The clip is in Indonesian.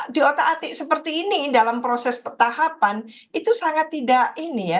di otak atik seperti ini dalam proses tahapan itu sangat tidak ini ya